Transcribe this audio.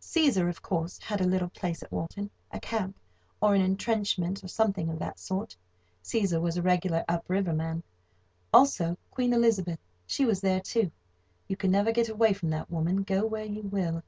Cæsar, of course, had a little place at Walton—a camp, or an entrenchment, or something of that sort. Cæsar was a regular up river man. Also Queen Elizabeth, she was there, too. You can never get away from that woman, go where you will.